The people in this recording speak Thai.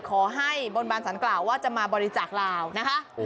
ขอให้บนบาร์สันกราวว่าจะมาบริจากราวนะ